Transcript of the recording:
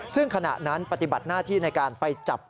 ซึ่งขณะนั้นปฏิบัติหน้าที่ในการไปจับ